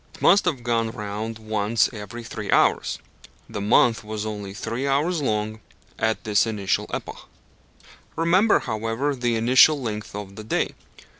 It must have gone round once every three hours. The month was only three hours long at this initial epoch. Remember, however, the initial length of the day.